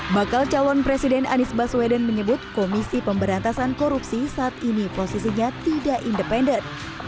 bakal calon presiden anies baswedan menyebut komisi pemberantasan korupsi saat ini posisinya tidak independen